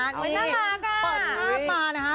นี่เปิดหน้ามานะคะ